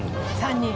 ３人。